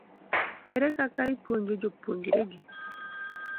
ere kaka ipuonjo jopuonjregi?